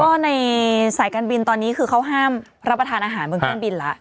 ก็ในสายการบินตอนนี้คือเขาห้ามรับประทานอาหารบนเครื่องบินแล้ว